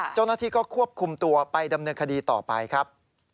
เจ้าหน้าที่ก็ควบคุมตัวไปดำเนินคดีต่อไปครับ